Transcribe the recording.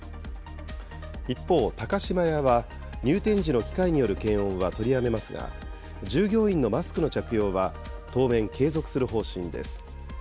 一方、高島屋は、入店時の機械による検温は取りやめますが、従業員のマスクの着用は当面、継続する方針です。